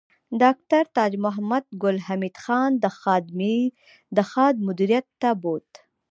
ډاکټر تاج محمد ګل حمید خان د خاد مدیریت ته بوت